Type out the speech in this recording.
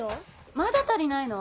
まだ足りないの？